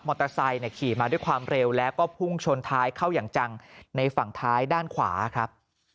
ขี่มาด้วยความเร็วแล้วก็พุ่งชนท้ายเข้าอย่างจังในฝั่งท้ายด้านขวาครับ